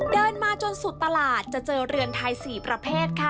เดินมาจนสุดตลาดจะเจอเรือนไทย๔ประเภทค่ะ